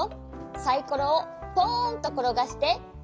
サイコロをポンところがして。